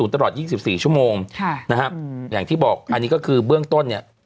ตลอด๒๔ชั่วโมงนะครับอย่างที่บอกอันนี้ก็คือเบื้องต้นเนี่ย